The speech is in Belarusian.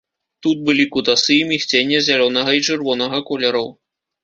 Тут былі кутасы і мігценне зялёнага і чырвонага колераў.